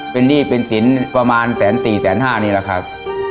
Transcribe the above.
เป็นหนี้เป็นสินประมาณแสน๔๕นี่แหละครับ